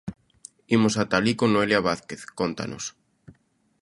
Imos ata alí con Noelia Vázquez, cóntanos.